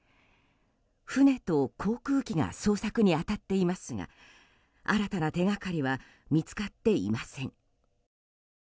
船と航空機が捜索に当たっていますが新たな手掛かりは見つかっていません。